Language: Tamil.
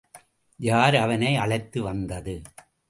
யார் அவனை அழைத்து வந்தது?